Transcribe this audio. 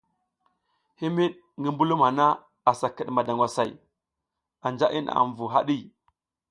Himiɗ ngi mbulum hana asa kiɗ madangwasay, anja i naʼam vu haɗi.